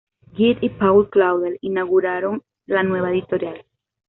Gide y Paul Claudel inauguraron la nueva editorial.